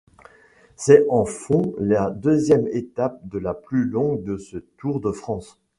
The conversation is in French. Ses en font la deuxième étape la plus longue de ce Tour de France.